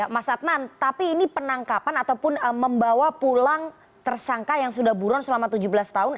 mas adnan tapi ini penangkapan ataupun membawa pulang tersangka yang sudah buron selama tujuh belas tahun